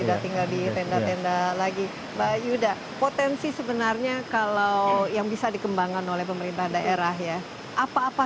ada lagi mbak yuda potensi sebenarnya kalau yang bisa dikembangkan oleh pemerintah daerah ya apa apa